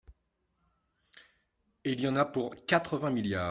Et il y en a pour quatre-vingts milliards